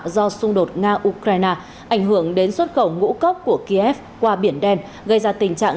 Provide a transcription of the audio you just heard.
do xung đột nga ukraine ảnh hưởng đến xuất khẩu ngũ cốc của kiev qua biển đen gây ra tình trạng